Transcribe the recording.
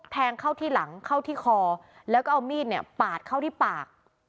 แทงเข้าที่หลังเข้าที่คอแล้วก็เอามีดเนี่ยปาดเข้าที่ปาก